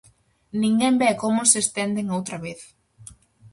Ninguén ve como se estenden outra vez.